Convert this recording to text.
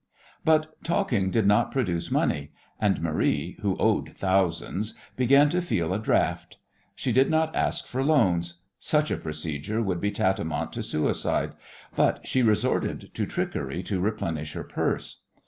But talking did not produce money, and Marie, who owed thousands, began to feel a draught. She did not ask for loans. Such a procedure would be tantamount to suicide, but she resorted to trickery to replenish her purse.